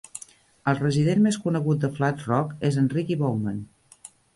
El resident més conegut de Flat Rock és en Ricky Bowman.